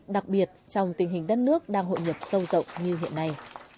đặc biệt trong tình hình đất nước đang hội nhập sâu rộng như hiện nay